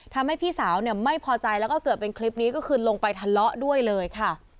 ทำให้พี่สาวไม่พอใจแล้วก็เกิดเป็นคลิปนี้ก็ขึ้นลงไปทะเลาะด้วยเลยค่ะ